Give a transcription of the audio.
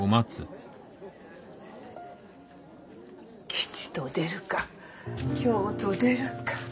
吉と出るか凶と出るか。